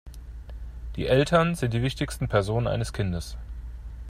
Die Eltern sind die wichtigsten Personen eines Kindes.